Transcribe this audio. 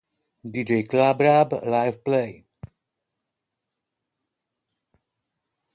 Szczerze mówiąc, wróciłem z mieszanymi uczuciami